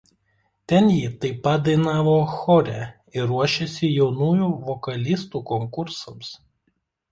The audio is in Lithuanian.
Ten ji taip pat dainavo chore ir ruošėsi jaunųjų vokalistų konkursams.